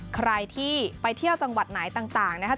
ใครที่ไปเที่ยวจังหวัดไหนต่างนะครับ